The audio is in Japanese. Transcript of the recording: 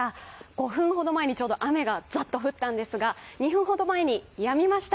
５分ほど前にちょうど雨がざっと降ったんですが、２分ほど前にやみました。